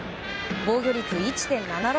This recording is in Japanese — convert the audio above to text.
防御率１．７６。